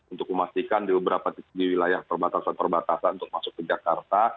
untuk memastikan di beberapa titik di wilayah perbatasan perbatasan untuk masuk ke jakarta